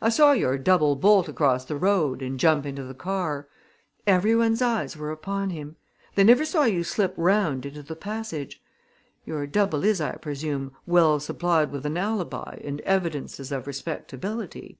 I saw your double bolt across the road and jump into the car. Everyone's eyes were upon him. They never saw you slip round into the passage. Your double is, I presume, well supplied with an alibi and evidences of respectability?"